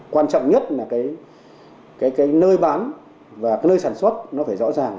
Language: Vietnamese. quan trọng nhất là cái nơi bán và cái nơi sản xuất nó phải rõ ràng